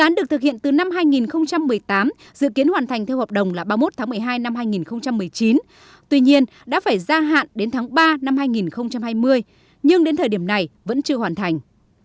năm hai nghìn một mươi tám dự kiến hoàn thành theo hợp đồng là ba mươi một tháng một mươi hai năm hai nghìn một mươi chín tuy nhiên đã phải gia hạn đến tháng ba năm hai nghìn hai mươi nhưng đến thời điểm này vẫn chưa hoàn thành